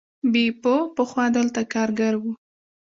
بیپو پخوا دلته کارګر و.